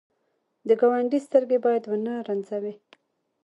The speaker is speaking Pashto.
د ګاونډي سترګې باید ونه رنځوې